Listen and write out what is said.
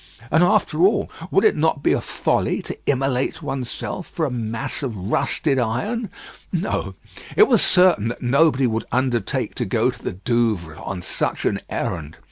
And after all, would it not be a folly to immolate oneself for a mass of rusted iron. No: it was certain that nobody would undertake to go to the Douvres on such an errand.